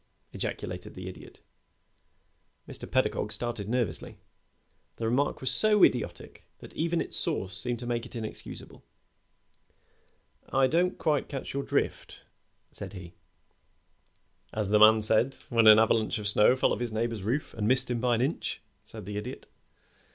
ejaculated the Idiot. Mr. Pedagog started nervously. The remark was so idiotic that even its source seemed to make it inexcusable. [Illustration: "'I DON'T QUITE CATCH YOUR DRIFT'"] "I don't quite catch your drift," said he. "As the man said when an avalanche of snow fell off his neighbor's roof and missed him by an inch," said the Idiot.